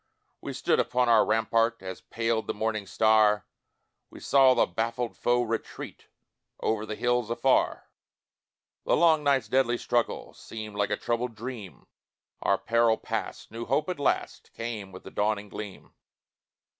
We stood upon our rampart, As paled the morning star, We saw the baffled foe retreat Over the hills afar; The long night's deadly struggle Seemed like a troubled dream Our peril passed, new hope at last Came with the dawning gleam.